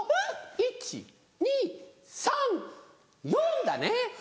１２３４だね！」。